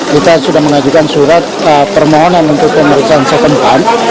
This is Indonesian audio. kita sudah mengajukan surat permohonan untuk pemeriksaan setempat